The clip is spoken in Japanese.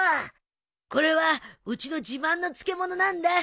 これはうちの自慢の漬物なんだ。